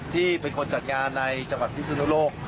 ที่เป็นคนจัดงานในจังหวัดพิศนุโลก